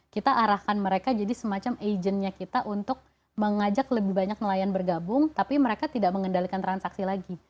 kita arahkan mereka jadi semacam agentnya kita untuk mengajak lebih banyak nelayan bergabung tapi mereka tidak mengendalikan transaksi lagi